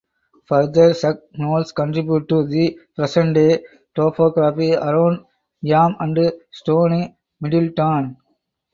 Further such knolls contribute to the present day topography around Eyam and Stoney Middleton.